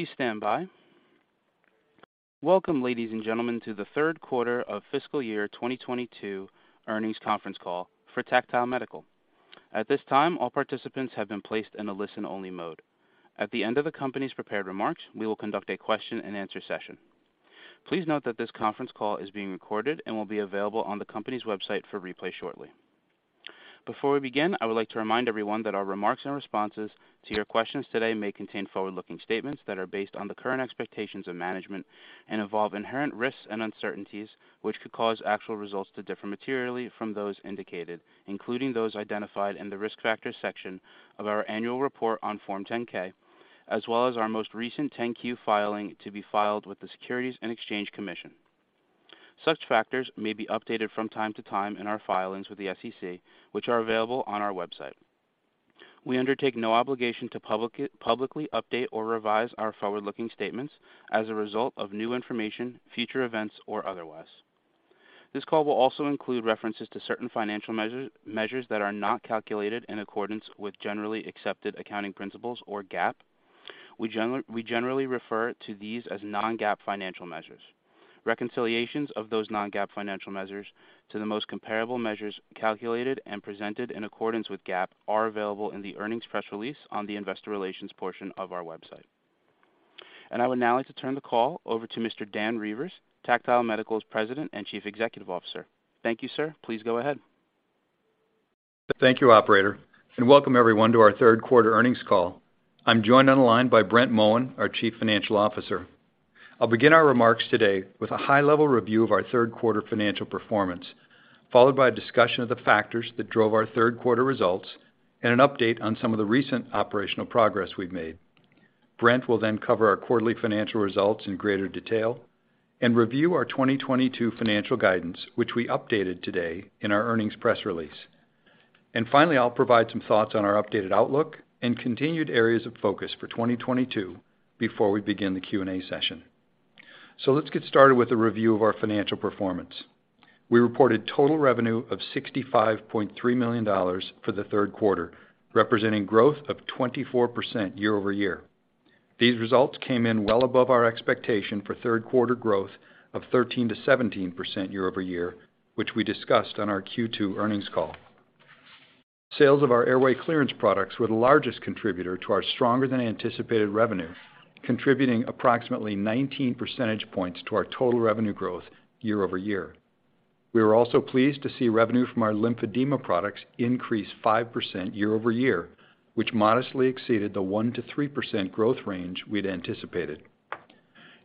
Please stand by. Welcome, ladies and gentlemen, to the third quarter of fiscal year 2022 earnings conference call for Tactile Medical. At this time, all participants have been placed in a listen-only mode. At the end of the company's prepared remarks, we will conduct a question and answer session. Please note that this conference call is being recorded and will be available on the company's website for replay shortly. Before we begin, I would like to remind everyone that our remarks and responses to your questions today may contain forward-looking statements that are based on the current expectations of management and involve inherent risks and uncertainties, which could cause actual results to differ materially from those indicated, including those identified in the Risk Factors section of our annual report on Form 10-K, as well as our most recent 10-Q filing to be filed with the Securities and Exchange Commission. Such factors may be updated from time to time in our filings with the SEC, which are available on our website. We undertake no obligation to publicly update or revise our forward-looking statements as a result of new information, future events, or otherwise. This call will also include references to certain financial measures that are not calculated in accordance with generally accepted accounting principles, or GAAP. We generally refer to these as non-GAAP financial measures. Reconciliations of those non-GAAP financial measures to the most comparable measures calculated and presented in accordance with GAAP are available in the earnings press release on the investor relations portion of our website. I would now like to turn the call over to Mr. Dan Reuvers, Tactile Medical's President and Chief Executive Officer. Thank you, sir. Please go ahead. Thank you, operator. Welcome everyone to our third quarter earnings call. I'm joined on the line by Brent Moen, our Chief Financial Officer. I'll begin our remarks today with a high-level review of our third quarter financial performance, followed by a discussion of the factors that drove our third quarter results and an update on some of the recent operational progress we've made. Brent will then cover our quarterly financial results in greater detail and review our 2022 financial guidance, which we updated today in our earnings press release. Finally, I'll provide some thoughts on our updated outlook and continued areas of focus for 2022 before we begin the Q&A session. Let's get started with a review of our financial performance. We reported total revenue of $65.3 million for the third quarter, representing growth of 24% year-over-year. These results came in well above our expectation for third quarter growth of 13%-17% year-over-year, which we discussed on our Q2 earnings call. Sales of our airway clearance products were the largest contributor to our stronger than anticipated revenue, contributing approximately 19 percentage points to our total revenue growth year-over-year. We were also pleased to see revenue from our lymphedema products increase 5% year-over-year, which modestly exceeded the 1%-3% growth range we'd anticipated.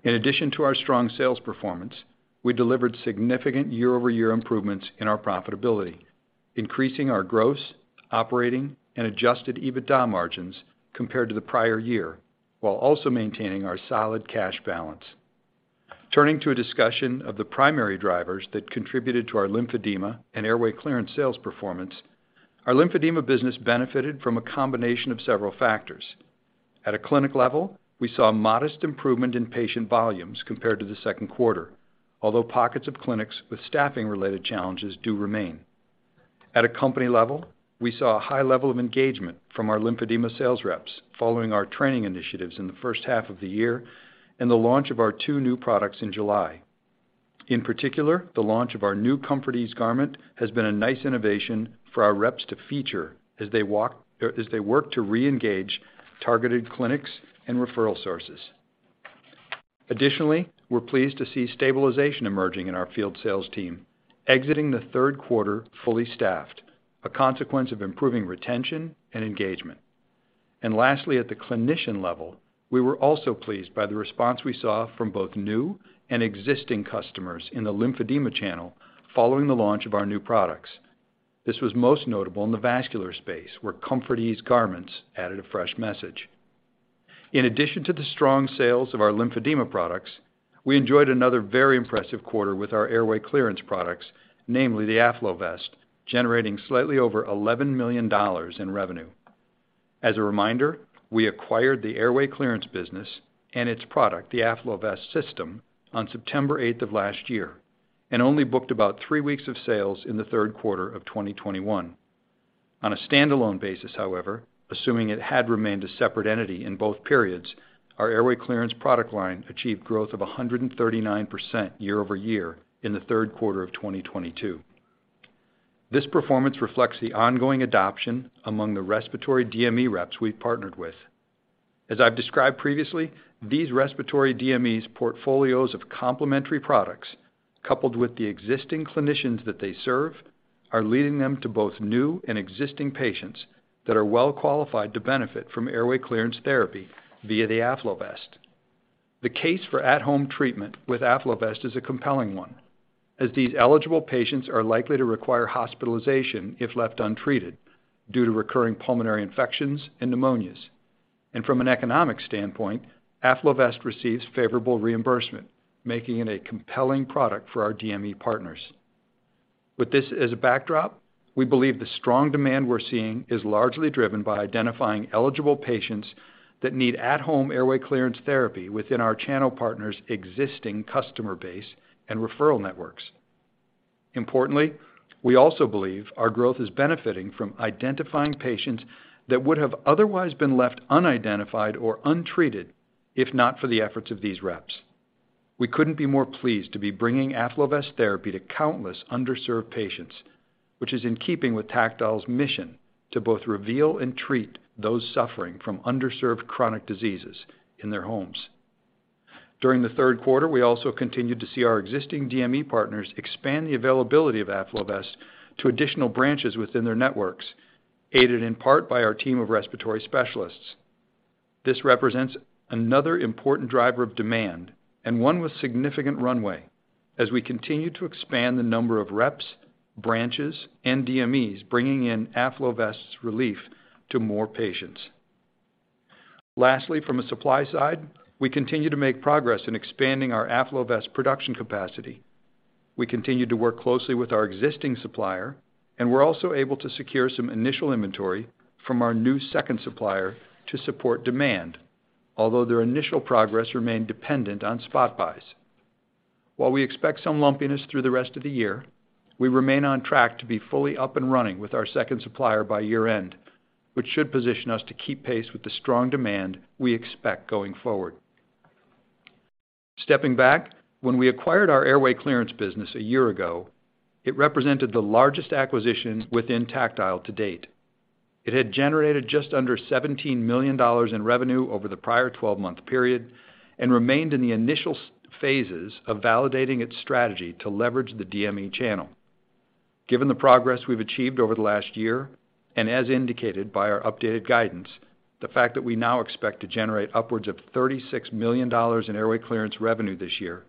In addition to our strong sales performance, we delivered significant year-over-year improvements in our profitability, increasing our gross, operating, and adjusted EBITDA margins compared to the prior year, while also maintaining our solid cash balance. Turning to a discussion of the primary drivers that contributed to our lymphedema and airway clearance sales performance, our lymphedema business benefited from a combination of several factors. At a clinic level, we saw a modest improvement in patient volumes compared to the second quarter, although pockets of clinics with staffing-related challenges do remain. At a company level, we saw a high level of engagement from our lymphedema sales reps following our training initiatives in the first half of the year and the launch of our two new products in July. In particular, the launch of our new ComfortEase garment has been a nice innovation for our reps to feature as they work to reengage targeted clinics and referral sources. Additionally, we're pleased to see stabilization emerging in our field sales team, exiting the third quarter fully staffed, a consequence of improving retention and engagement. Lastly, at the clinician level, we were also pleased by the response we saw from both new and existing customers in the lymphedema channel following the launch of our new products. This was most notable in the vascular space, where ComfortEase garments added a fresh message. In addition to the strong sales of our lymphedema products, we enjoyed another very impressive quarter with our airway clearance products, namely the AffloVest, generating slightly over $11 million in revenue. As a reminder, we acquired the airway clearance business and its product, the AffloVest System, on September 8th of last year and only booked about three weeks of sales in the third quarter of 2021. On a standalone basis, however, assuming it had remained a separate entity in both periods, our airway clearance product line achieved growth of 139% year-over-year in the third quarter of 2022. This performance reflects the ongoing adoption among the respiratory DME reps we've partnered with. As I've described previously, these respiratory DMEs' portfolios of complementary products, coupled with the existing clinicians that they serve, are leading them to both new and existing patients that are well-qualified to benefit from airway clearance therapy via the AffloVest. The case for at-home treatment with AffloVest is a compelling one, as these eligible patients are likely to require hospitalization if left untreated due to recurring pulmonary infections and pneumonias. From an economic standpoint, AffloVest receives favorable reimbursement, making it a compelling product for our DME partners. With this as a backdrop, we believe the strong demand we're seeing is largely driven by identifying eligible patients that need at-home airway clearance therapy within our channel partners' existing customer base and referral networks. Importantly, we also believe our growth is benefiting from identifying patients that would have otherwise been left unidentified or untreated if not for the efforts of these reps. We couldn't be more pleased to be bringing AffloVest therapy to countless underserved patients, which is in keeping with Tactile's mission to both reveal and treat those suffering from underserved chronic diseases in their homes. During the third quarter, we also continued to see our existing DME partners expand the availability of AffloVest to additional branches within their networks, aided in part by our team of respiratory specialists. This represents another important driver of demand and one with significant runway as we continue to expand the number of reps, branches, and DMEs bringing in AffloVest's relief to more patients. Lastly, from a supply side, we continue to make progress in expanding our AffloVest production capacity. We continue to work closely with our existing supplier, and we're also able to secure some initial inventory from our new second supplier to support demand. Their initial progress remained dependent on spot buys. We expect some lumpiness through the rest of the year. We remain on track to be fully up and running with our second supplier by year-end, which should position us to keep pace with the strong demand we expect going forward. Stepping back, when we acquired our airway clearance business a year ago, it represented the largest acquisition within Tactile to date. It had generated just under $17 million in revenue over the prior 12-month period and remained in the initial phases of validating its strategy to leverage the DME channel. Given the progress we've achieved over the last year, as indicated by our updated guidance, the fact that we now expect to generate upwards of $36 million in airway clearance revenue this year,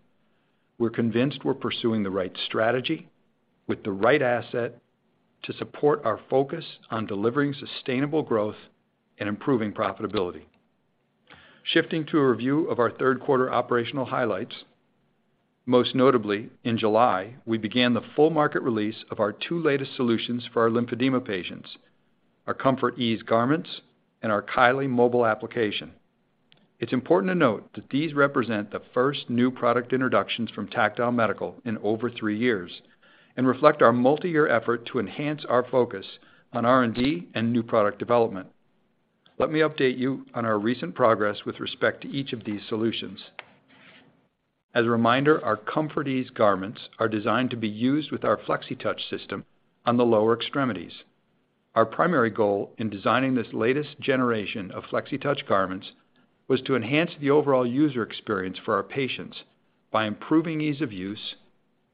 we're convinced we're pursuing the right strategy with the right asset to support our focus on delivering sustainable growth and improving profitability. Shifting to a review of our third quarter operational highlights. Most notably, in July, we began the full market release of our two latest solutions for our lymphedema patients, our ComfortEase garments and our Kylee mobile application. It's important to note that these represent the first new product introductions from Tactile Medical in over three years and reflect our multi-year effort to enhance our focus on R&D and new product development. Let me update you on our recent progress with respect to each of these solutions. As a reminder, our ComfortEase garments are designed to be used with our Flexitouch system on the lower extremities. Our primary goal in designing this latest generation of Flexitouch garments was to enhance the overall user experience for our patients by improving ease of use,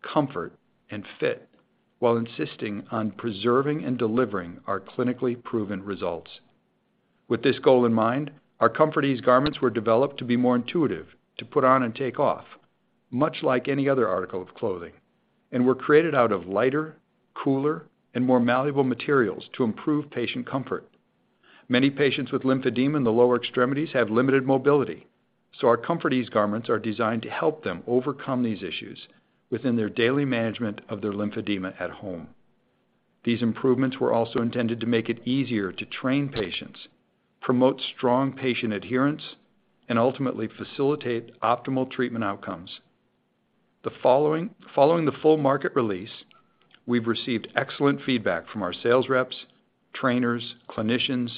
comfort, and fit while insisting on preserving and delivering our clinically proven results. With this goal in mind, our ComfortEase garments were developed to be more intuitive, to put on and take off, much like any other article of clothing, and were created out of lighter, cooler, and more malleable materials to improve patient comfort. Many patients with lymphedema in the lower extremities have limited mobility. Our ComfortEase garments are designed to help them overcome these issues within their daily management of their lymphedema at home. These improvements were also intended to make it easier to train patients, promote strong patient adherence, and ultimately facilitate optimal treatment outcomes. Following the full market release, we've received excellent feedback from our sales reps, trainers, clinicians,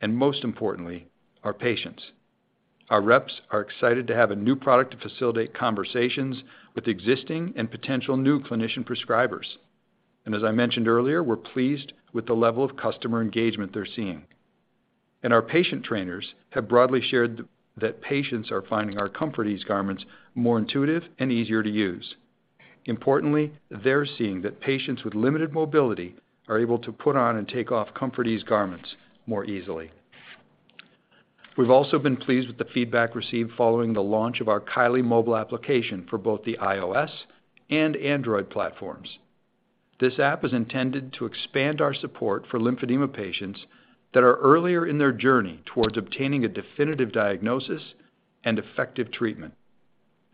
and most importantly, our patients. Our reps are excited to have a new product to facilitate conversations with existing and potential new clinician prescribers. As I mentioned earlier, we're pleased with the level of customer engagement they're seeing. Our patient trainers have broadly shared that patients are finding our ComfortEase garments more intuitive and easier to use. Importantly, they're seeing that patients with limited mobility are able to put on and take off ComfortEase garments more easily. We've also been pleased with the feedback received following the launch of our Kylee mobile application for both the iOS and Android platforms. This app is intended to expand our support for lymphedema patients that are earlier in their journey towards obtaining a definitive diagnosis and effective treatment.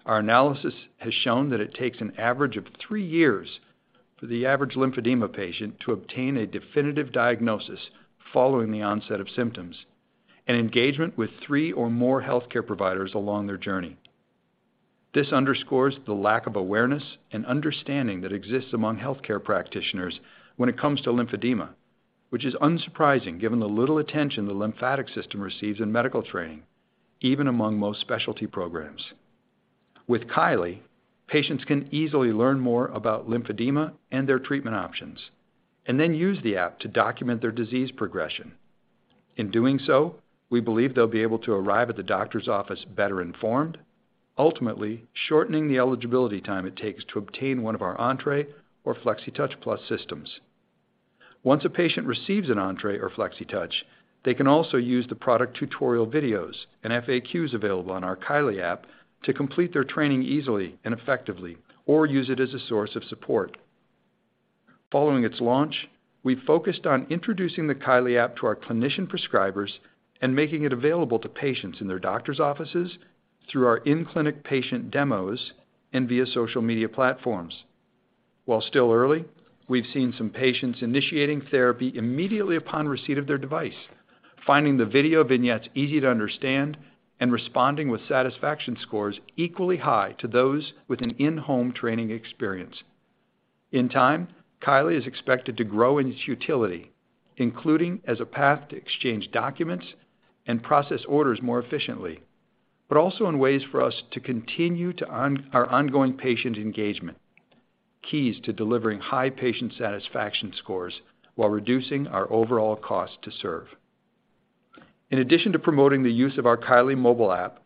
Our analysis has shown that it takes an average of three years for the average lymphedema patient to obtain a definitive diagnosis following the onset of symptoms and engagement with three or more healthcare providers along their journey. This underscores the lack of awareness and understanding that exists among healthcare practitioners when it comes to lymphedema, which is unsurprising given the little attention the lymphatic system receives in medical training, even among most specialty programs. With Kylee, patients can easily learn more about lymphedema and their treatment options, and then use the app to document their disease progression. In doing so, we believe they'll be able to arrive at the doctor's office better informed, ultimately shortening the eligibility time it takes to obtain one of our Entre or Flexitouch Plus systems. Once a patient receives an Entre or Flexitouch, they can also use the product tutorial videos and FAQs available on our Kylee app to complete their training easily and effectively or use it as a source of support. Following its launch, we focused on introducing the Kylee app to our clinician prescribers and making it available to patients in their doctor's offices through our in-clinic patient demos and via social media platforms. While still early, we've seen some patients initiating therapy immediately upon receipt of their device. Finding the video vignettes easy to understand and responding with satisfaction scores equally high to those with an in-home training experience. In time, Kylee is expected to grow in its utility, including as a path to exchange documents and process orders more efficiently, but also in ways for us to continue our ongoing patient engagement, keys to delivering high patient satisfaction scores while reducing our overall cost to serve. In addition to promoting the use of our Kylee mobile app,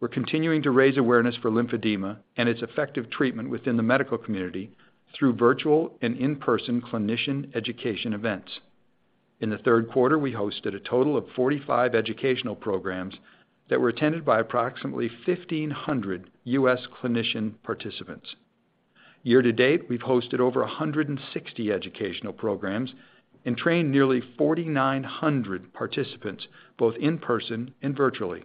we're continuing to raise awareness for lymphedema and its effective treatment within the medical community through virtual and in-person clinician education events. In the third quarter, we hosted a total of 45 educational programs that were attended by approximately 1,500 U.S. clinician participants. Year to date, we've hosted over 160 educational programs and trained nearly 4,900 participants, both in person and virtually.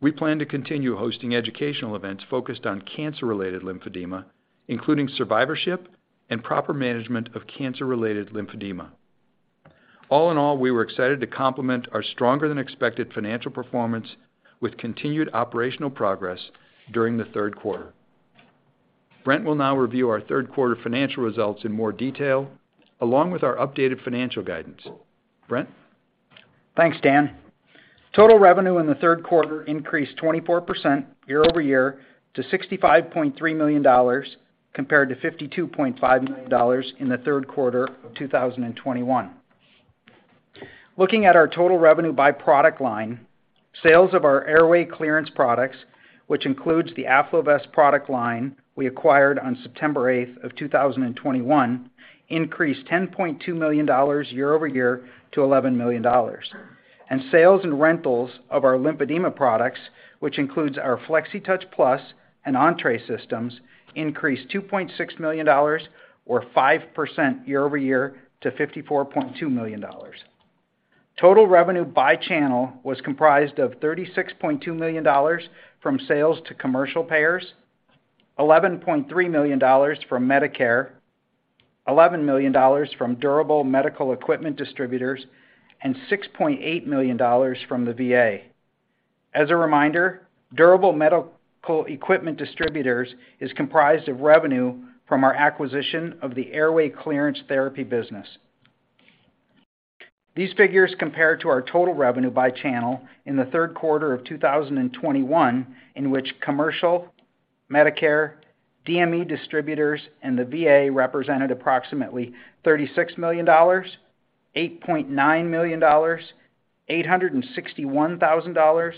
We plan to continue hosting educational events focused on cancer-related lymphedema, including survivorship and proper management of cancer-related lymphedema. All in all, we were excited to complement our stronger than expected financial performance with continued operational progress during the third quarter. Brent will now review our third quarter financial results in more detail, along with our updated financial guidance. Brent? Thanks, Dan. Total revenue in the third quarter increased 24% year-over-year to $65.3 million, compared to $52.5 million in the third quarter of 2021. Looking at our total revenue by product line, sales of our airway clearance products, which includes the AffloVest product line we acquired on September 8th of 2021, increased $10.2 million year-over-year to $11 million. Sales and rentals of our lymphedema products, which includes our Flexitouch Plus and Entre Systems, increased $2.6 million or 5% year-over-year to $54.2 million. Total revenue by channel was comprised of $36.2 million from sales to commercial payers, $11.3 million from Medicare, $11 million from durable medical equipment distributors, and $6.8 million from the VA. As a reminder, durable medical equipment distributors is comprised of revenue from our acquisition of the airway clearance therapy business. These figures compare to our total revenue by channel in the third quarter of 2021, in which commercial, Medicare, DME distributors, and the VA represented approximately $36 million, $8.9 million, $861,000,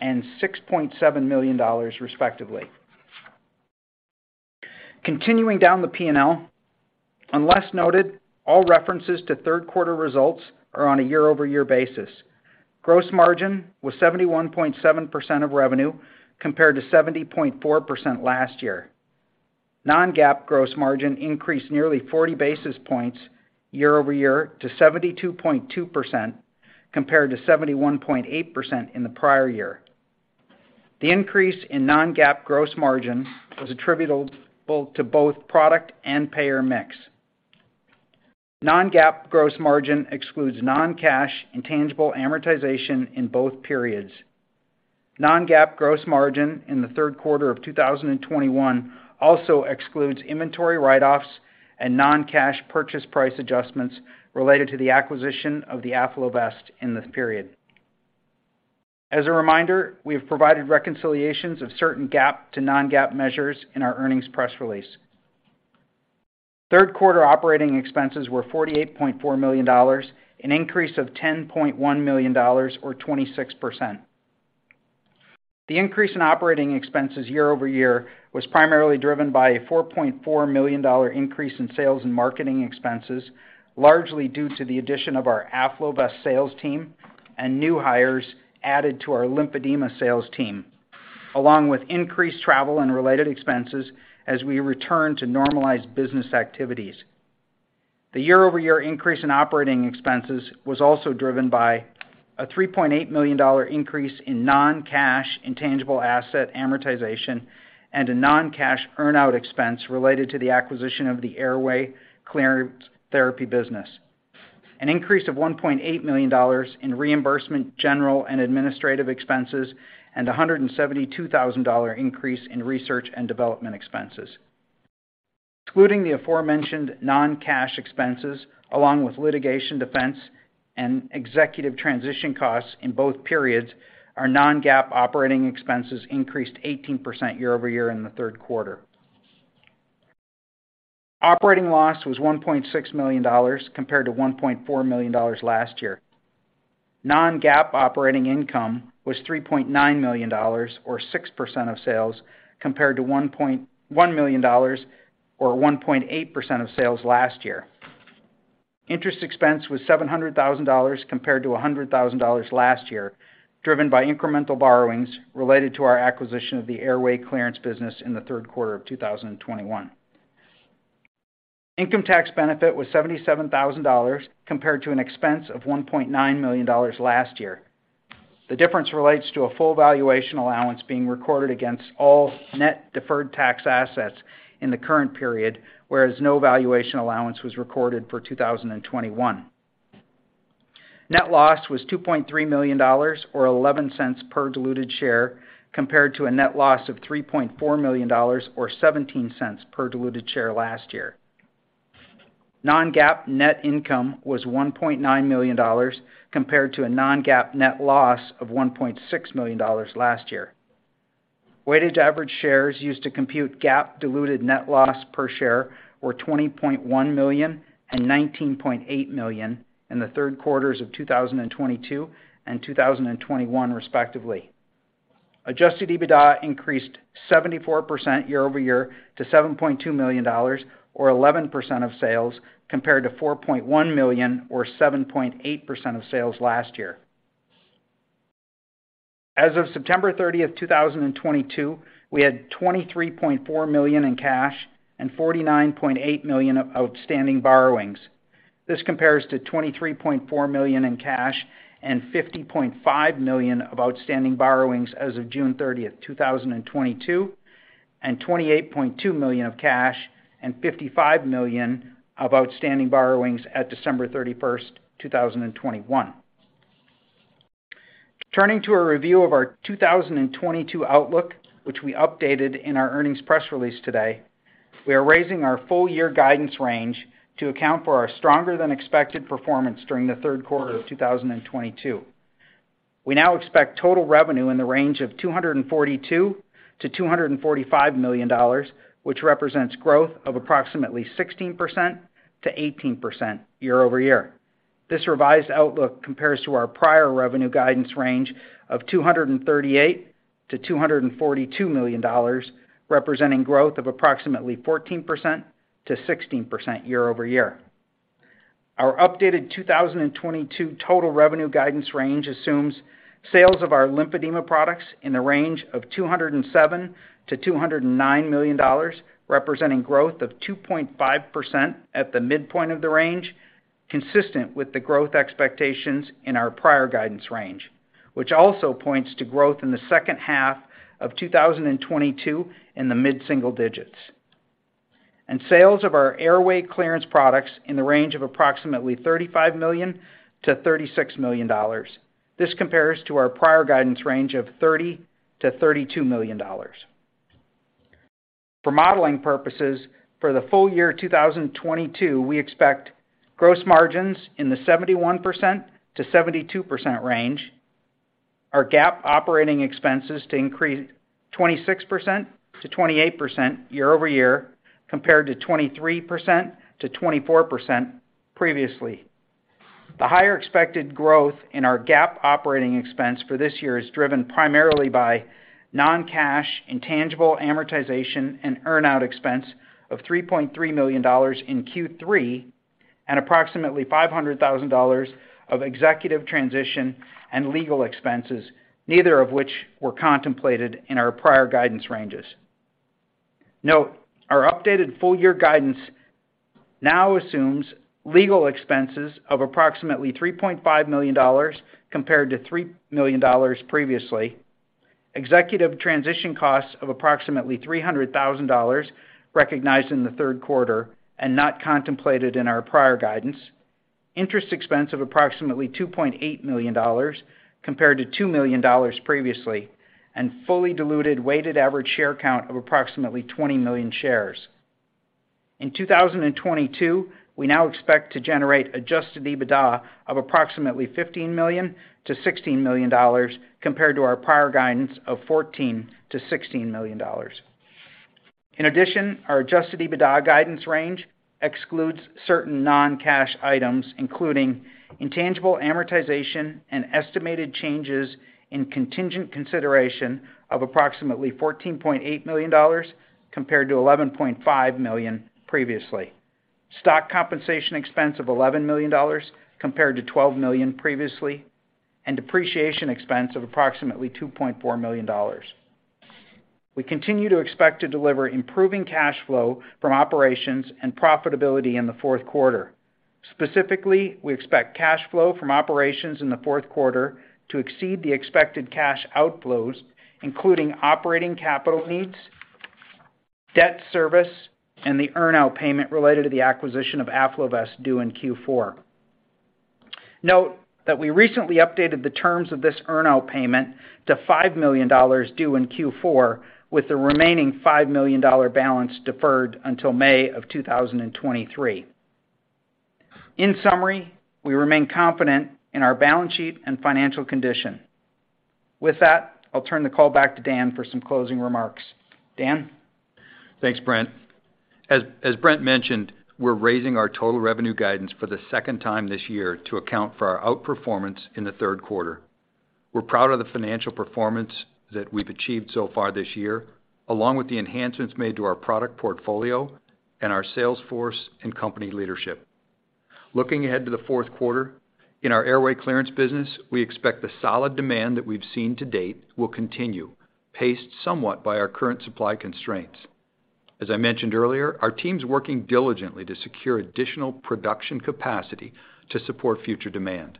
and $6.7 million respectively. Continuing down the P&L, unless noted, all references to third quarter results are on a year-over-year basis. Gross margin was 71.7% of revenue, compared to 70.4% last year. Non-GAAP gross margin increased nearly 40 basis points year-over-year to 72.2%, compared to 71.8% in the prior year. The increase in non-GAAP gross margin was attributable to both product and payer mix. Non-GAAP gross margin excludes non-cash intangible amortization in both periods. Non-GAAP gross margin in the third quarter of 2021 also excludes inventory write-offs and non-cash purchase price adjustments related to the acquisition of the AffloVest in this period. As a reminder, we have provided reconciliations of certain GAAP to non-GAAP measures in our earnings press release. Third quarter operating expenses were $48.4 million, an increase of $10.1 million or 26%. The increase in operating expenses year-over-year was primarily driven by a $4.4 million increase in sales and marketing expenses, largely due to the addition of our AffloVest sales team and new hires added to our lymphedema sales team, along with increased travel and related expenses as we return to normalized business activities. The year-over-year increase in operating expenses was also driven by a $3.8 million increase in non-cash intangible asset amortization and a non-cash earn-out expense related to the acquisition of the airway clearance therapy business. An increase of $1.8 million in reimbursement, general and administrative expenses, and $172,000 increase in research and development expenses. Excluding the aforementioned non-cash expenses, along with litigation defense and executive transition costs in both periods, our non-GAAP operating expenses increased 18% year-over-year in the third quarter. Operating loss was $1.6 million compared to $1.4 million last year. Non-GAAP operating income was $3.9 million, or 6% of sales, compared to $1 million or 1.8% of sales last year. Interest expense was $700,000 compared to $100,000 last year, driven by incremental borrowings related to our acquisition of the airway clearance business in the third quarter of 2021. Income tax benefit was $77,000 compared to an expense of $1.9 million last year. The difference relates to a full valuation allowance being recorded against all net deferred tax assets in the current period, whereas no valuation allowance was recorded for 2021. Net loss was $2.3 million, or $0.11 per diluted share, compared to a net loss of $3.4 million, or $0.17 per diluted share last year. Non-GAAP net income was $1.9 million, compared to a non-GAAP net loss of $1.6 million last year. Weighted average shares used to compute GAAP diluted net loss per share were 20.1 million and 19.8 million in the third quarters of 2022 and 2021, respectively. Adjusted EBITDA increased 74% year-over-year to $7.2 million, or 11% of sales, compared to $4.1 million, or 7.8% of sales last year. As of September 30, 2022, we had $23.4 million in cash and $49.8 million of outstanding borrowings. This compares to $23.4 million in cash and $50.5 million of outstanding borrowings as of June 30, 2022, and $28.2 million of cash and $55 million of outstanding borrowings at December 31, 2021. To a review of our 2022 outlook, which we updated in our earnings press release today, we are raising our full year guidance range to account for our stronger than expected performance during the third quarter of 2022. We now expect total revenue in the range of $242 million-$245 million, which represents growth of approximately 16%-18% year-over-year. This revised outlook compares to our prior revenue guidance range of $238 million-$242 million, representing growth of approximately 14%-16% year-over-year. Our updated 2022 total revenue guidance range assumes sales of our lymphedema products in the range of $207 million-$209 million, representing growth of 2.5% at the midpoint of the range, consistent with the growth expectations in our prior guidance range, which also points to growth in the second half of 2022 in the mid-single digits. Sales of our airway clearance products in the range of approximately $35 million-$36 million. This compares to our prior guidance range of $30 million-$32 million. For modeling purposes for the full year 2022, we expect gross margins in the 71%-72% range. Our GAAP operating expenses to increase 26%-28% year-over-year, compared to 23%-24% previously. The higher expected growth in our GAAP operating expense for this year is driven primarily by non-cash intangible amortization and earn-out expense of $3.3 million in Q3, and approximately $500,000 of executive transition and legal expenses, neither of which were contemplated in our prior guidance ranges. Note, our updated full year guidance now assumes legal expenses of approximately $3.5 million compared to $3 million previously. Executive transition costs of approximately $300,000 recognized in the third quarter and not contemplated in our prior guidance. Interest expense of approximately $2.8 million compared to $2 million previously, fully diluted weighted average share count of approximately 20 million shares. In 2022, we now expect to generate adjusted EBITDA of approximately $15 million-$16 million compared to our prior guidance of $14 million-$16 million. In addition, our adjusted EBITDA guidance range excludes certain non-cash items, including intangible amortization and estimated changes in contingent consideration of approximately $14.8 million compared to $11.5 million previously. Stock compensation expense of $11 million compared to $12 million previously, and depreciation expense of approximately $2.4 million. We continue to expect to deliver improving cash flow from operations and profitability in the fourth quarter. Specifically, we expect cash flow from operations in the fourth quarter to exceed the expected cash outflows, including operating capital needs, debt service, and the earn-out payment related to the acquisition of AffloVest due in Q4. Note we recently updated the terms of this earn-out payment to $5 million due in Q4, with the remaining $5 million balance deferred until May of 2023. In summary, we remain confident in our balance sheet and financial condition. With that, I'll turn the call back to Dan for some closing remarks. Dan? Thanks, Brent. As Brent mentioned, we're raising our total revenue guidance for the second time this year to account for our outperformance in the third quarter. We're proud of the financial performance that we've achieved so far this year, along with the enhancements made to our product portfolio and our sales force and company leadership. Looking ahead to the fourth quarter, in our airway clearance business, we expect the solid demand that we've seen to date will continue, paced somewhat by our current supply constraints. As I mentioned earlier, our team's working diligently to secure additional production capacity to support future demand.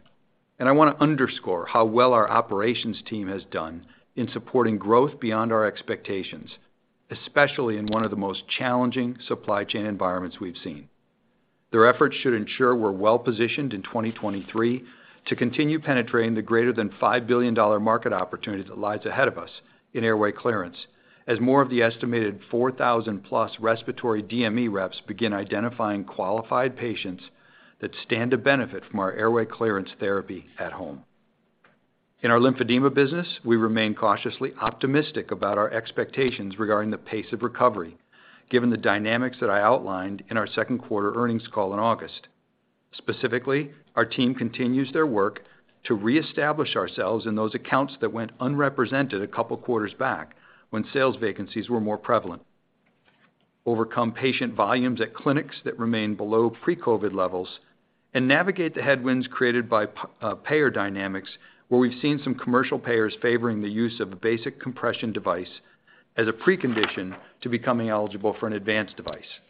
I want to underscore how well our operations team has done in supporting growth beyond our expectations, especially in one of the most challenging supply chain environments we've seen. Their efforts should ensure we're well-positioned in 2023 to continue penetrating the greater than $5 billion market opportunity that lies ahead of us in airway clearance, as more of the estimated 4,000-plus respiratory DME reps begin identifying qualified patients that stand to benefit from our airway clearance therapy at home. In our lymphedema business, we remain cautiously optimistic about our expectations regarding the pace of recovery, given the dynamics that I outlined in our second quarter earnings call in August. Specifically, our team continues their work to reestablish ourselves in those accounts that went unrepresented a couple of quarters back, when sales vacancies were more prevalent, overcome patient volumes at clinics that remain below pre-COVID levels, and navigate the headwinds created by payer dynamics, where we've seen some commercial payers favoring the use of a basic compression device as a precondition to becoming eligible for an advanced device.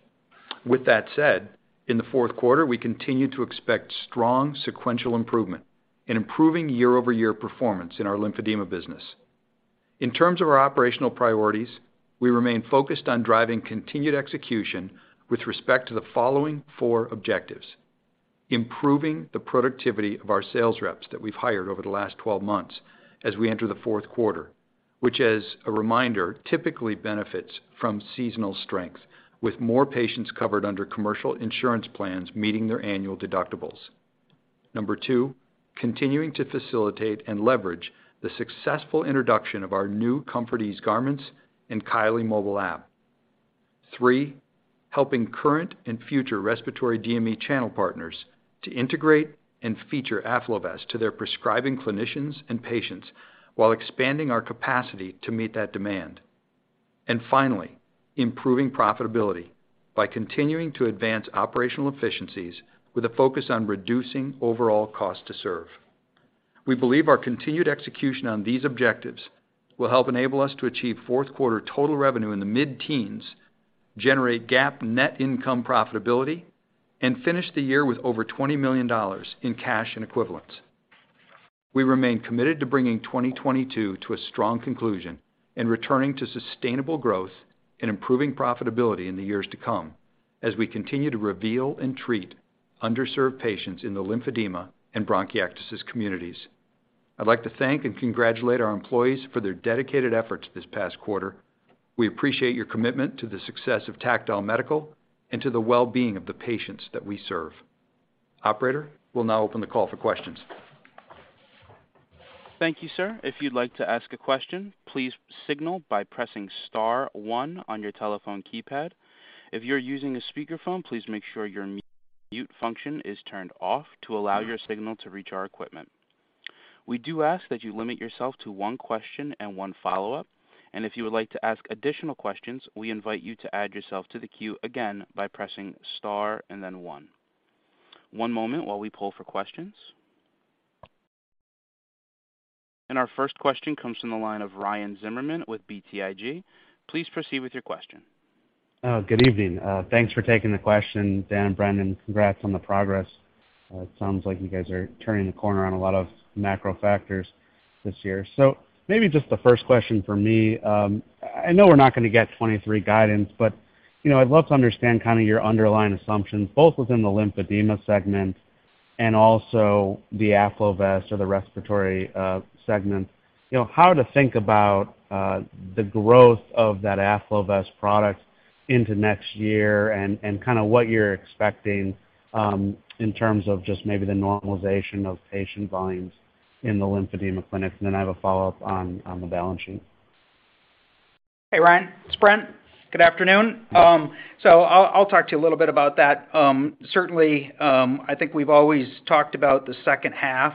With that said, in the fourth quarter, we continue to expect strong sequential improvement and improving year-over-year performance in our lymphedema business. In terms of our operational priorities, we remain focused on driving continued execution with respect to the following four objectives. Improving the productivity of our sales reps that we've hired over the last 12 months as we enter the fourth quarter, which as a reminder, typically benefits from seasonal strength with more patients covered under commercial insurance plans meeting their annual deductibles. Number two, continuing to facilitate and leverage the successful introduction of our new ComfortEase garments and Kylee mobile app. Three, helping current and future respiratory DME channel partners to integrate and feature AffloVest to their prescribing clinicians and patients while expanding our capacity to meet that demand. Finally, improving profitability by continuing to advance operational efficiencies with a focus on reducing overall cost to serve. We believe our continued execution on these objectives will help enable us to achieve fourth quarter total revenue in the mid-teens, generate GAAP net income profitability, and finish the year with over $20 million in cash and equivalents. We remain committed to bringing 2022 to a strong conclusion and returning to sustainable growth and improving profitability in the years to come as we continue to reveal and treat underserved patients in the lymphedema and bronchiectasis communities. I'd like to thank and congratulate our employees for their dedicated efforts this past quarter. We appreciate your commitment to the success of Tactile Medical and to the well-being of the patients that we serve. Operator, we'll now open the call for questions. Thank you, sir. If you'd like to ask a question, please signal by pressing star one on your telephone keypad. If you're using a speakerphone, please make sure your mute function is turned off to allow your signal to reach our equipment. We do ask that you limit yourself to one question and one follow-up. If you would like to ask additional questions, we invite you to add yourself to the queue again by pressing star and then one. One moment while we poll for questions. Our first question comes from the line of Ryan Zimmerman with BTIG. Please proceed with your question. Good evening. Thanks for taking the question, Dan and Brent. Congrats on the progress. It sounds like you guys are turning the corner on a lot of macro factors this year. Maybe just the first question from me, I know we're not going to get 2023 guidance, but I'd love to understand your underlying assumptions, both within the lymphedema segment and also the AffloVest or the respiratory segment. How to think about the growth of that AffloVest product into next year and what you're expecting in terms of just maybe the normalization of patient volumes in the lymphedema clinics, and then I have a follow-up on the balance sheet. Hey, Ryan. It's Brent. Good afternoon. I'll talk to you a little bit about that. Certainly, I think we've always talked about the second half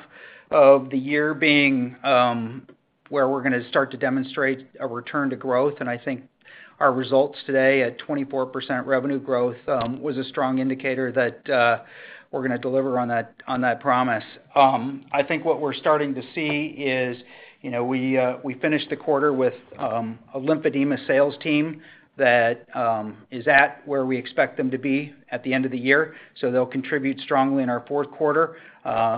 of the year being where we're going to start to demonstrate a return to growth, and I think our results today at 24% revenue growth was a strong indicator that we're going to deliver on that promise. I think what we're starting to see is we finished the quarter with a lymphedema sales team that is at where we expect them to be at the end of the year. They'll contribute strongly in our fourth quarter.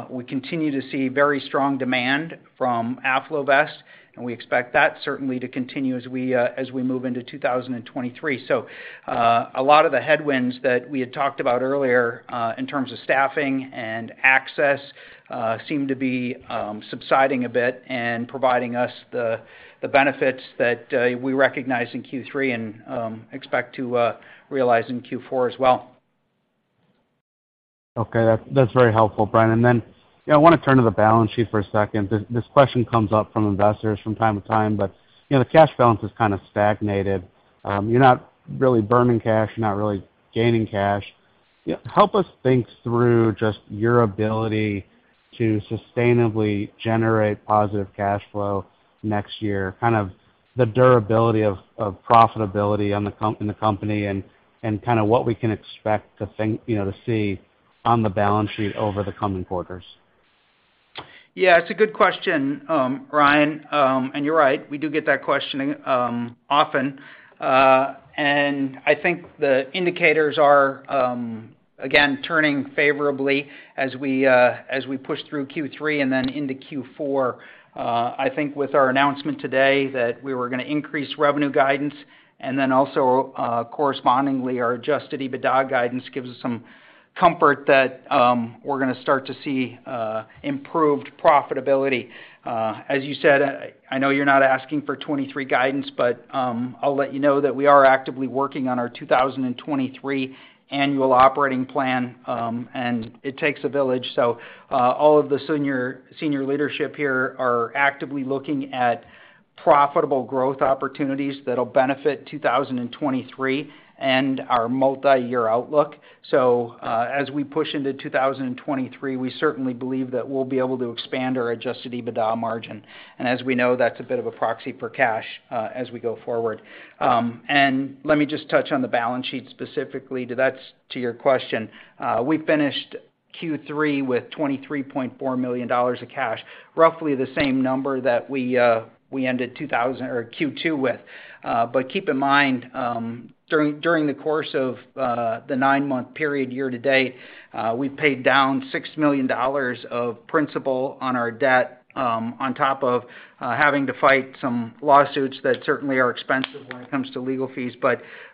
We continue to see very strong demand from AffloVest, and we expect that certainly to continue as we move into 2023. A lot of the headwinds that we had talked about earlier in terms of staffing and access seem to be subsiding a bit and providing us the benefits that we recognize in Q3 and expect to realize in Q4 as well. Okay. That's very helpful, Brent. I want to turn to the balance sheet for a second. This question comes up from investors from time to time, but the cash balance has kind of stagnated. You're not really burning cash, you're not really gaining cash. Help us think through just your ability to sustainably generate positive cash flow next year, kind of the durability of profitability in the company and what we can expect to see on the balance sheet over the coming quarters. Yeah, it's a good question, Ryan. You're right, we do get that question often. I think the indicators are, again, turning favorably as we push through Q3 and then into Q4. I think with our announcement today that we were going to increase revenue guidance, then also correspondingly our adjusted EBITDA guidance gives us some comfort that we're going to start to see improved profitability. As you said, I know you're not asking for 2023 guidance, but I'll let you know that we are actively working on our 2023 annual operating plan. It takes a village, so all of the senior leadership here are actively looking at profitable growth opportunities that'll benefit 2023 and our multi-year outlook. As we push into 2023, we certainly believe that we'll be able to expand our adjusted EBITDA margin. As we know, that's a bit of a proxy for cash as we go forward. Let me just touch on the balance sheet specifically to your question. We finished Q3 with $23.4 million of cash, roughly the same number that we ended Q2 with. Keep in mind, during the course of the nine-month period year to date, we paid down $6 million of principal on our debt, on top of having to fight some lawsuits that certainly are expensive when it comes to legal fees.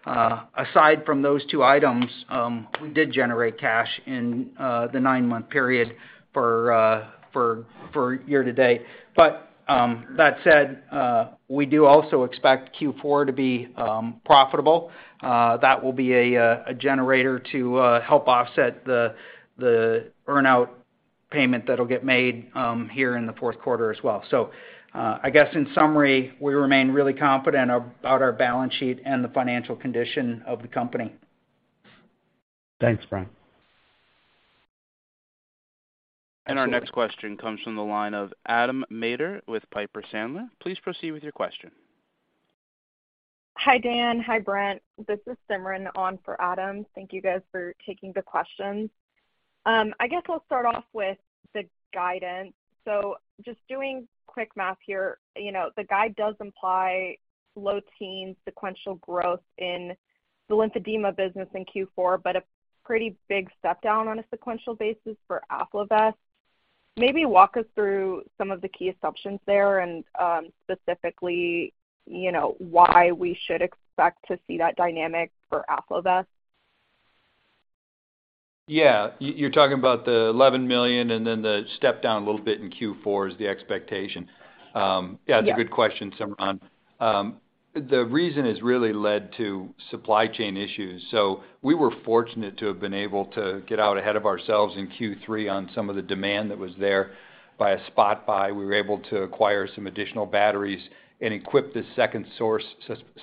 Aside from those two items, we did generate cash in the nine-month period for year to date. That said, we do also expect Q4 to be profitable. That will be a generator to help offset the earn-out payment that'll get made here in the fourth quarter as well. I guess in summary, we remain really confident about our balance sheet and the financial condition of the company. Thanks, Ryan. Our next question comes from the line of Adam Maeder with Piper Sandler. Please proceed with your question. Hi, Dan. Hi, Brent. This is Simran on for Adam. Thank you guys for taking the questions. I guess I'll start off with the guidance. Just doing quick math here, the guide does imply low teen sequential growth in the lymphedema business in Q4, but a pretty big step down on a sequential basis for AffloVest. Maybe walk us through some of the key assumptions there and, specifically, why we should expect to see that dynamic for AffloVest? Yeah. You're talking about the $11 million and then the step down a little bit in Q4 is the expectation. Yeah. Yeah, it's a good question, Simran. The reason is really led to supply chain issues. We were fortunate to have been able to get out ahead of ourselves in Q3 on some of the demand that was there by a spot buy. We were able to acquire some additional batteries and equip the second source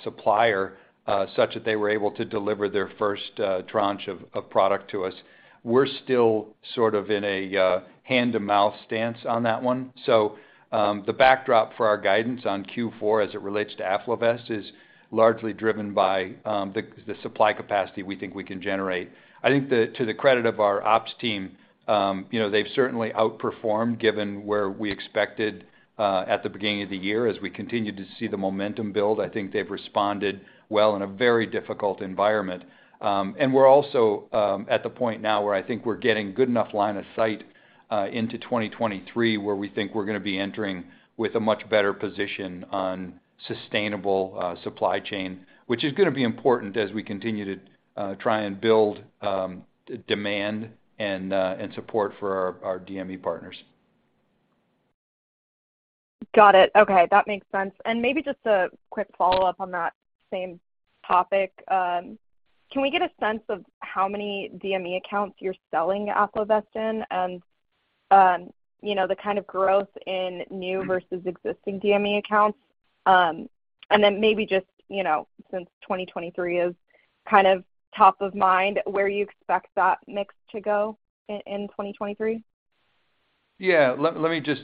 supplier such that they were able to deliver their first tranche of product to us. We're still sort of in a hand-to-mouth stance on that one. The backdrop for our guidance on Q4 as it relates to AffloVest is largely driven by the supply capacity we think we can generate. I think to the credit of our ops team, they've certainly outperformed given where we expected at the beginning of the year. As we continued to see the momentum build, I think they've responded well in a very difficult environment. We're also at the point now where I think we're getting good enough line of sight into 2023 where we think we're going to be entering with a much better position on sustainable supply chain, which is going to be important as we continue to try and build demand and support for our DME partners. Got it. Okay. That makes sense. Maybe just a quick follow-up on that same topic. Can we get a sense of how many DME accounts you're selling AffloVest in? The kind of growth in new versus existing DME accounts? Maybe just, since 2023 is kind of top of mind, where you expect that mix to go in 2023? Let me just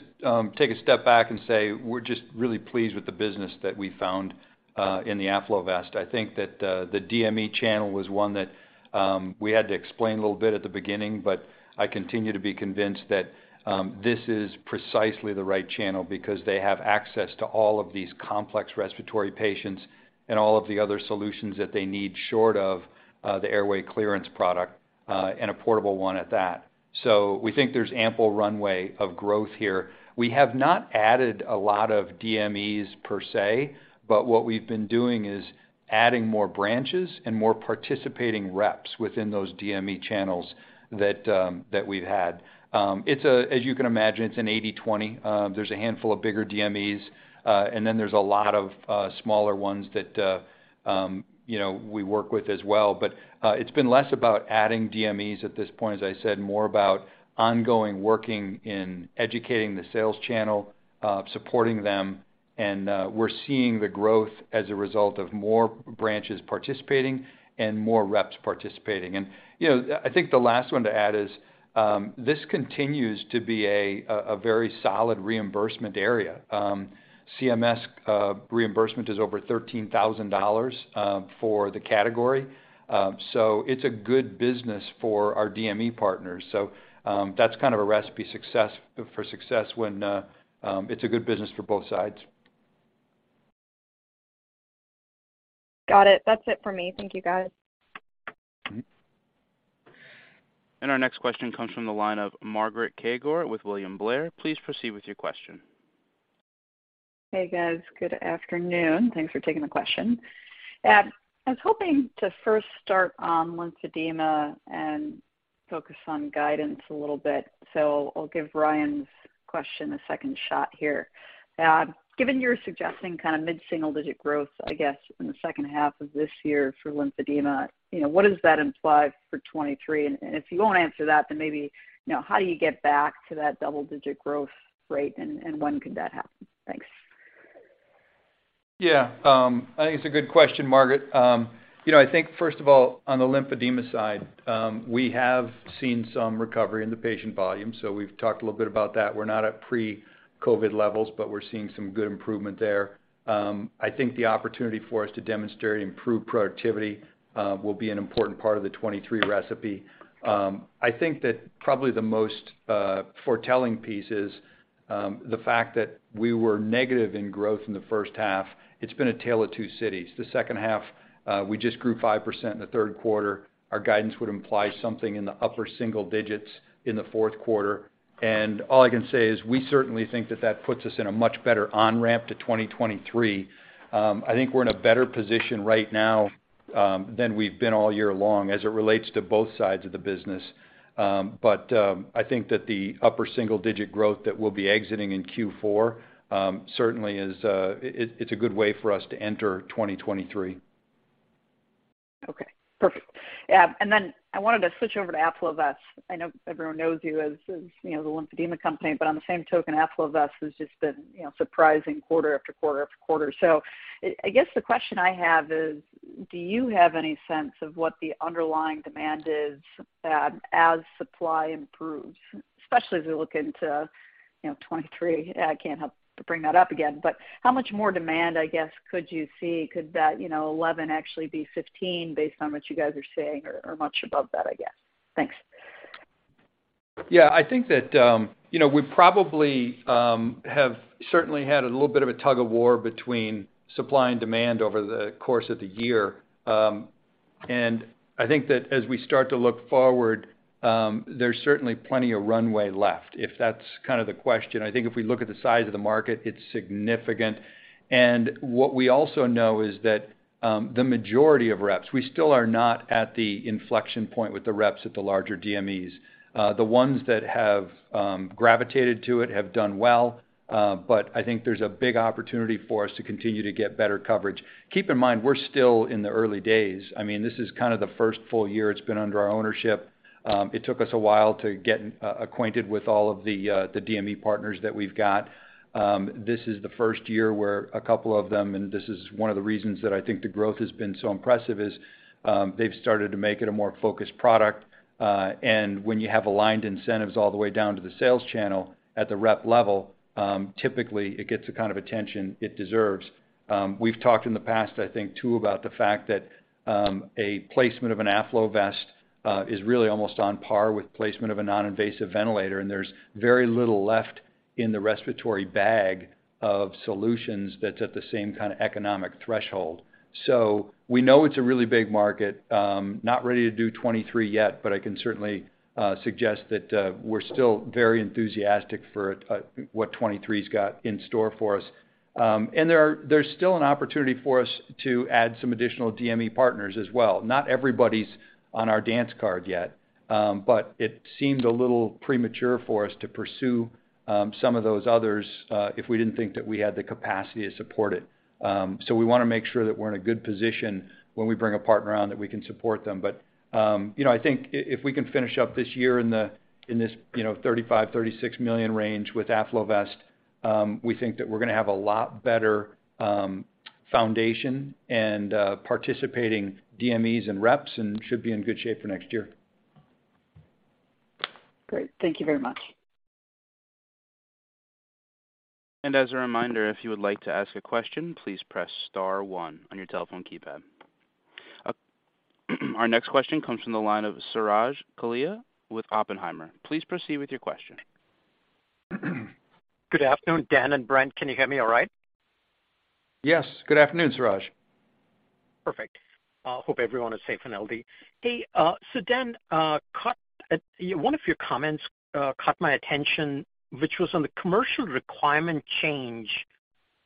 take a step back and say we're just really pleased with the business that we found in the AffloVest. I think that the DME channel was one that we had to explain a little bit at the beginning, but I continue to be convinced that this is precisely the right channel because they have access to all of these complex respiratory patients and all of the other solutions that they need short of the airway clearance product, and a portable one at that. We think there's ample runway of growth here. We have not added a lot of DMEs per se, but what we've been doing is adding more branches and more participating reps within those DME channels that we've had. As you can imagine, it's an 80/20. There's a handful of bigger DMEs, and then there's a lot of smaller ones that we work with as well. It's been less about adding DMEs at this point, as I said, more about ongoing working in educating the sales channel, supporting them, and we're seeing the growth as a result of more branches participating and more reps participating. I think the last one to add is, this continues to be a very solid reimbursement area. CMS reimbursement is over $13,000 for the category. It's a good business for our DME partners. That's kind of a recipe for success when it's a good business for both sides. Got it. That's it for me. Thank you, guys. Our next question comes from the line of Margaret Kaczor with William Blair. Please proceed with your question. Hey, guys. Good afternoon. Thanks for taking the question. I was hoping to first start on lymphedema and focus on guidance a little bit, so I'll give Ryan's question a second shot here. Given you're suggesting mid-single digit growth, I guess, in the second half of this year for lymphedema, what does that imply for 2023? If you won't answer that, maybe how do you get back to that double-digit growth rate, and when could that happen? Thanks. Yeah. I think it's a good question, Margaret. I think first of all, on the lymphedema side, we have seen some recovery in the patient volume, so we've talked a little bit about that. We're not at pre-COVID levels, but we're seeing some good improvement there. I think the opportunity for us to demonstrate improved productivity will be an important part of the 2023 recipe. I think that probably the most foretelling piece is the fact that we were negative in growth in the first half. It's been a tale of two cities. The second half, we just grew 5% in the third quarter. Our guidance would imply something in the upper single digits in the fourth quarter. All I can say is we certainly think that that puts us in a much better on-ramp to 2023. I think we're in a better position right now than we've been all year long as it relates to both sides of the business. I think that the upper single-digit growth that we'll be exiting in Q4, certainly it's a good way for us to enter 2023. Okay, perfect. I wanted to switch over to AffloVest. I know everyone knows you as the lymphedema company, on the same token, AffloVest has just been surprising quarter after quarter after quarter. I guess the question I have is, do you have any sense of what the underlying demand is as supply improves? Especially as we look into 2023. I can't help but bring that up again, but how much more demand, I guess, could you see? Could that 11 actually be 15 based on what you guys are seeing or much above that, I guess? Thanks. Yeah, I think that we probably have certainly had a little bit of a tug of war between supply and demand over the course of the year. I think that as we start to look forward, there's certainly plenty of runway left, if that's kind of the question. I think if we look at the size of the market, it's significant. What we also know is that the majority of reps, we still are not at the inflection point with the reps at the larger DMEs. The ones that have gravitated to it have done well, but I think there's a big opportunity for us to continue to get better coverage. Keep in mind, we're still in the early days. This is kind of the first full year it's been under our ownership. It took us a while to get acquainted with all of the DME partners that we've got. This is the first year where a couple of them, this is one of the reasons that I think the growth has been so impressive, is they've started to make it a more focused product. When you have aligned incentives all the way down to the sales channel at the rep level, typically it gets the kind of attention it deserves. We've talked in the past, I think, too, about the fact that a placement of an AffloVest is really almost on par with placement of a non-invasive ventilator, and there's very little left in the respiratory bag of solutions that's at the same kind of economic threshold. We know it's a really big market. Not ready to do 2023 yet, but I can certainly suggest that we're still very enthusiastic for what 2023's got in store for us. There's still an opportunity for us to add some additional DME partners as well. Not everybody's on our dance card yet, but it seemed a little premature for us to pursue some of those others if we didn't think that we had the capacity to support it. We want to make sure that we're in a good position when we bring a partner on that we can support them. I think if we can finish up this year in this $35 million-$36 million range with AffloVest, we think that we're going to have a lot better foundation and participating DMEs and reps, and should be in good shape for next year. Great. Thank you very much. As a reminder, if you would like to ask a question, please press star one on your telephone keypad. Our next question comes from the line of Suraj Kalia with Oppenheimer. Please proceed with your question. Good afternoon, Dan and Brent. Can you hear me all right? Yes. Good afternoon, Suraj. Perfect. Hope everyone is safe and healthy. Hey, Dan, one of your comments caught my attention, which was on the commercial requirement change,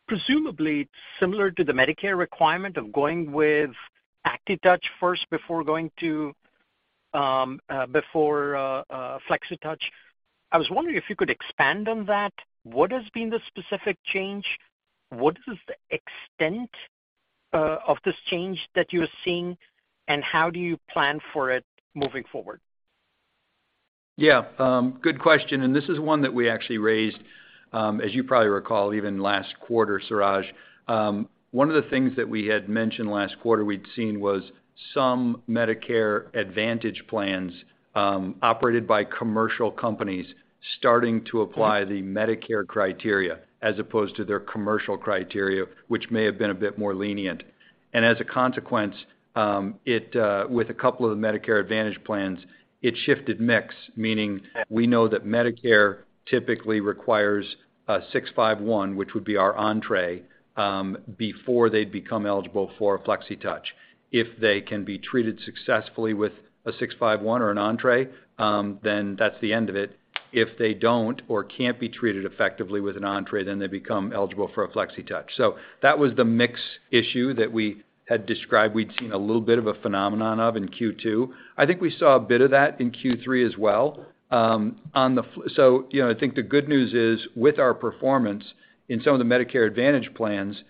presumably similar to the Medicare requirement of going with ACTitouch first before going to Flexitouch. I was wondering if you could expand on that. What has been the specific change? What is the extent of this change that you're seeing, and how do you plan for it moving forward? Yeah. Good question. This is one that we actually raised, as you probably recall, even last quarter, Suraj. One of the things that we had mentioned last quarter we'd seen was some Medicare Advantage plans, operated by commercial companies starting to apply the Medicare criteria as opposed to their commercial criteria, which may have been a bit more lenient. As a consequence, with a couple of the Medicare Advantage plans, it shifted mix, meaning we know that Medicare typically requires a E0651, which would be our Entre, before they'd become eligible for a Flexitouch. If they can be treated successfully with a E0651 or an Entre, then that's the end of it. If they don't or can't be treated effectively with an Entre, they become eligible for a Flexitouch. That was the mix issue that we had described, we'd seen a little bit of a phenomenon of in Q2. I think we saw a bit of that in Q3 as well. I think the good news is, with our performance in some of the Medicare Advantage plans,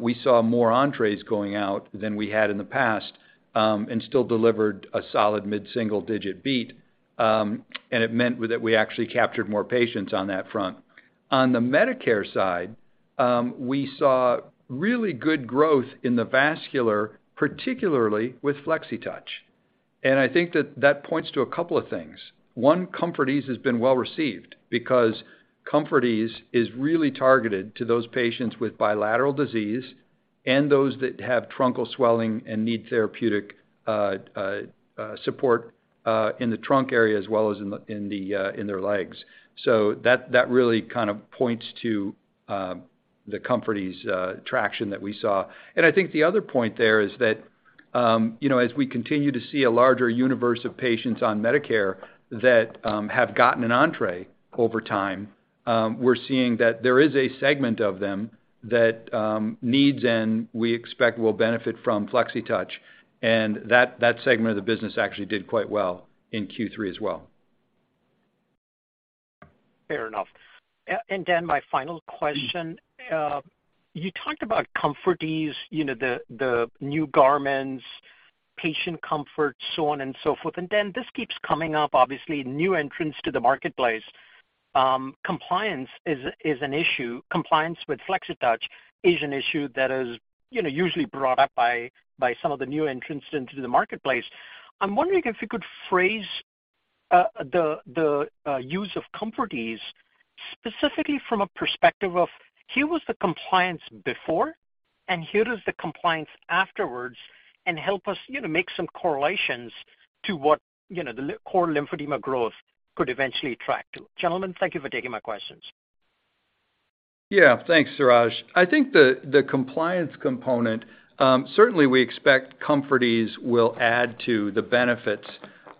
we saw more Entres going out than we had in the past, and still delivered a solid mid-single-digit beat. It meant that we actually captured more patients on that front. On the Medicare side, we saw really good growth in the vascular, particularly with Flexitouch. I think that that points to a couple of things. One, ComfortEase has been well-received because ComfortEase is really targeted to those patients with bilateral disease and those that have truncal swelling and need therapeutic support in the trunk area as well as in their legs. That really kind of points to the ComfortEase traction that we saw. I think the other point there is that, as we continue to see a larger universe of patients on Medicare that have gotten an Entre over time, we're seeing that there is a segment of them that needs and we expect will benefit from Flexitouch, and that segment of the business actually did quite well in Q3 as well. Fair enough. Dan, my final question. You talked about ComfortEase, the new garments, patient comfort, so on and so forth. Dan, this keeps coming up, obviously, new entrants to the marketplace. Compliance is an issue. Compliance with Flexitouch is an issue that is usually brought up by some of the new entrants into the marketplace. I'm wondering if you could phrase the use of ComfortEase, specifically from a perspective of here was the compliance before, and here is the compliance afterwards, and help us make some correlations to what the core lymphedema growth could eventually track to. Gentlemen, thank you for taking my questions. Thanks, Suraj. I think the compliance component, certainly we expect ComfortEase will add to the benefits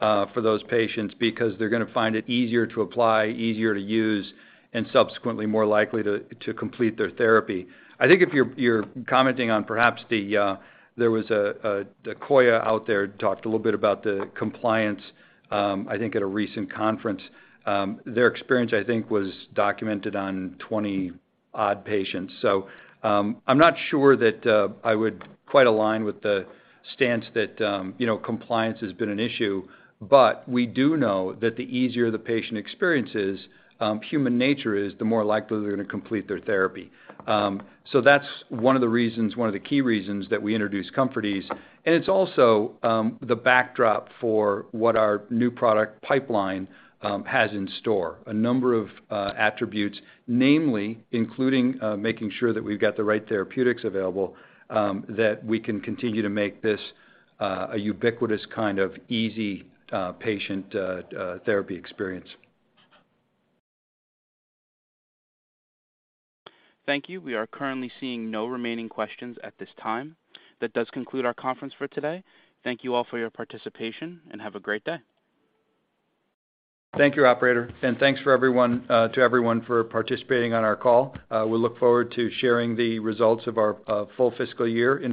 for those patients because they're going to find it easier to apply, easier to use, and subsequently more likely to complete their therapy. I think if you're commenting on perhaps the There was the Koya out there talked a little bit about the compliance, I think at a recent conference. Their experience, I think, was documented on 20-odd patients. I'm not sure that I would quite align with the stance that compliance has been an issue, but we do know that the easier the patient experience is, human nature is the more likely they're going to complete their therapy. That's one of the key reasons that we introduced ComfortEase, and it's also the backdrop for what our new product pipeline has in store. A number of attributes, namely including making sure that we've got the right therapeutics available, that we can continue to make this a ubiquitous kind of easy patient therapy experience. Thank you. We are currently seeing no remaining questions at this time. That does conclude our conference for today. Thank you all for your participation, and have a great day. Thank you, operator. Thanks to everyone for participating on our call. We look forward to sharing the results of our full fiscal year